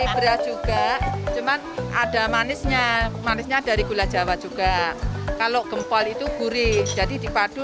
beras juga cuman ada manisnya manisnya dari gula jawa juga kalau gempol itu gurih jadi dipadu